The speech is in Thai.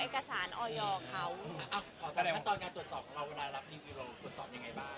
ตอนการตรวจสอบเวลารับทีวีดีโรตรวจสอบยังไงบ้าง